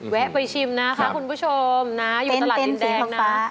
แวะไปชิมนะคะคุณผู้ชมนะอยู่ตลาดดินแดงนะ